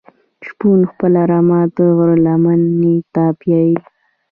شپون خپله رمه د غره لمنی ته بیایی.